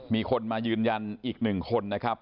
มีคนมายืนยันอีก๑คนนะครับ